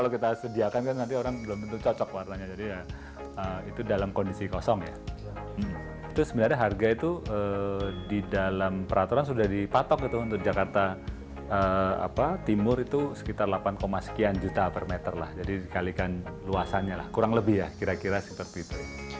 kira kira seperti itu